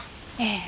ええ。